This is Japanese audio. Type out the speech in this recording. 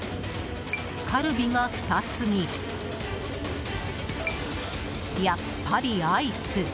カルビが２つに、やっぱりアイス。